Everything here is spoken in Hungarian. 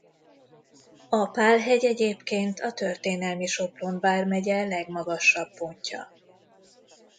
A Pál-hegy egyébként a történelmi Sopron-vármegye legmagasabb pontja.